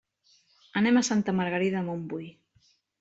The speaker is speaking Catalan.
Anem a Santa Margarida de Montbui.